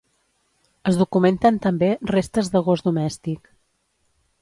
Es documenten també restes de gos domèstic.